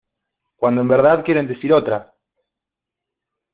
cuando en verdad quieren decir otra.